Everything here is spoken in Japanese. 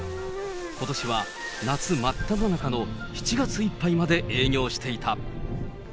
ことしは夏真っただ中の７月いっぱいまで営業していた。